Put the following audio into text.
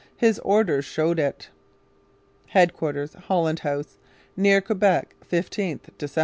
His own orders showed it. HEAD QUARTERS, HOLLAND HOUSE. Near Quebec, 15th Decr.